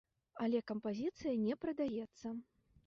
Але кампазіцыя не прадаецца.